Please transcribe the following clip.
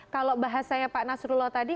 kalau bahasanya pak nasrullah tadi